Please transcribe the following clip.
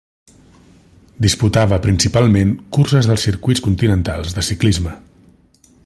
Disputava principalment curses dels circuits continentals de ciclisme.